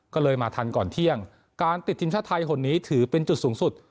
ก็เลยมาทันก่อนเที่ยงการติดทีมชาติไทยคนนี้ถือเป็นจุดสูงสุด